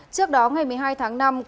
trước đó ngày một mươi hai tháng năm